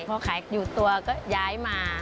พอขายอยู่ตัวก็ย้ายมา